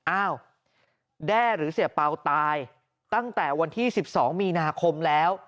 อ้าวแด้หรือเสียเป่าตายตั้งแต่วันที่๑๒มีนาคมแล้ว